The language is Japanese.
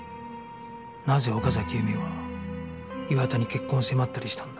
なぜ岡崎由美は岩田に結婚を迫ったりしたんだ？